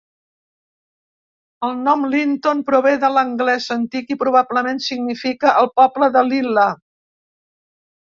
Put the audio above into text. El nom Linton prové de l'anglès antic i probablement significa "el poble de Lilla".